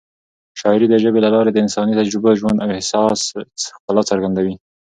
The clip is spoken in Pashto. شاعري د ژبې له لارې د انساني تجربو، ژوند او احساس ښکلا څرګندوي.